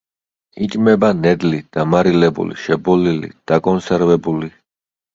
იჭმება ნედლი, დამარილებული, შებოლილი დაკონსერვებული.